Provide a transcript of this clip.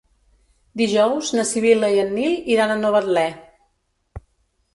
Dijous na Sibil·la i en Nil iran a Novetlè.